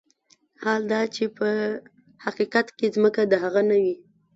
حال دا چې په حقيقت کې ځمکه د هغه نه وي.